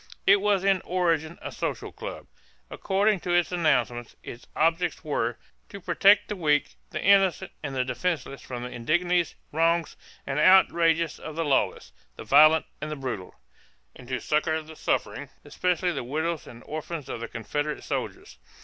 It was in origin a social club. According to its announcement, its objects were "to protect the weak, the innocent, and the defenceless from the indignities, wrongs, and outrages of the lawless, the violent, and the brutal; and to succor the suffering, especially the widows and orphans of the Confederate soldiers."